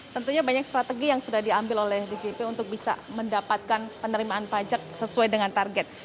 tentunya banyak strategi yang sudah diambil oleh djp untuk bisa mendapatkan penerimaan pajak sesuai dengan target